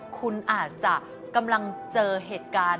คุณอาจจะกำลังเจอเหตุการณ์